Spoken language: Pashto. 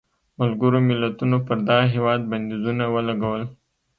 ملګرو ملتونو پر دغه هېواد بندیزونه ولګول.